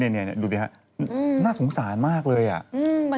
ร้านนี้เลยใช่ไหมครับ